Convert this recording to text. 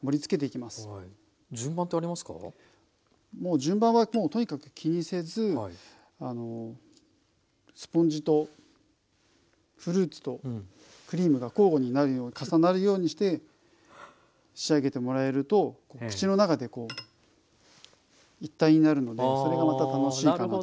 順番はもうとにかく気にせずスポンジとフルーツとクリームが交互になるよう重なるようにして仕上げてもらえると口の中でこう一体になるのでそれがまた楽しいかなと。